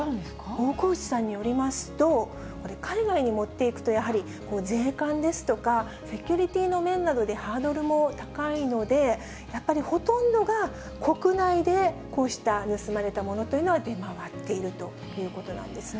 大河内さんによりますと、これ、海外に持っていくと、やはり税関ですとか、セキュリティーの面などでハードルも高いので、やっぱりほとんどが国内でこうした盗まれたものというのは出回っているということなんですね。